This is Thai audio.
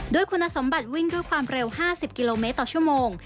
ด้วยคุณสมบัติวิ่งด้วยความเร็ว๕๐กิโลเมตรต่อชั่วโมง